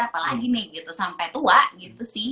apalagi nih gitu sampai tua gitu sih